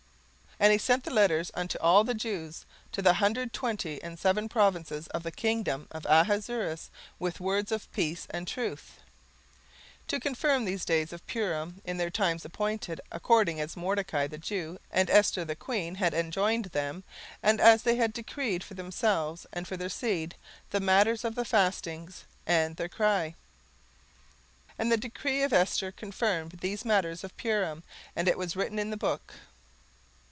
17:009:030 And he sent the letters unto all the Jews, to the hundred twenty and seven provinces of the kingdom of Ahasuerus, with words of peace and truth, 17:009:031 To confirm these days of Purim in their times appointed, according as Mordecai the Jew and Esther the queen had enjoined them, and as they had decreed for themselves and for their seed, the matters of the fastings and their cry. 17:009:032 And the decree of Esther confirmed these matters of Purim; and it was written in the book.